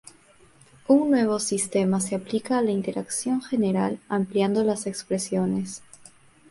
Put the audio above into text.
Un nuevo sistema se aplica a la interacción general ampliando las expresiones.